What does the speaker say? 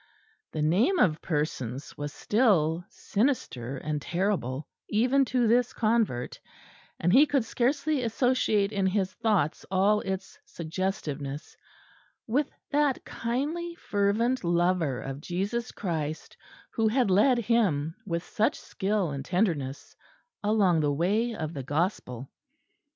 The name of Persons was still sinister and terrible even to this convert; and he could scarcely associate in his thoughts all its suggestiveness with that kindly fervent lover of Jesus Christ who had led him with such skill and tenderness along the way of the Gospel.